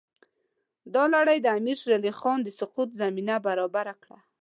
دا لړۍ د امیر شېر علي خان د سقوط زمینه برابره کړه.